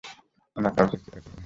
আমরাও কাউকে কেয়ার করি না।